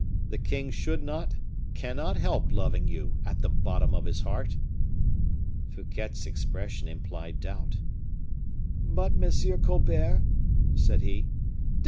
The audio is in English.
The king should not, cannot help loving you, at the bottom of his heart." Fouquet's expression implied doubt. "But M. Colbert?" said he; "does M.